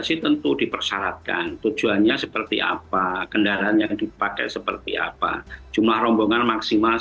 sih tentu dipersyaratkan tujuannya seperti apa kendaraan yang dipakai seperti apa jumlah rombongan maksimal